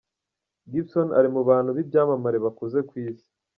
Gibson ari mu bantu b’ibyamamare bakuze ku isi.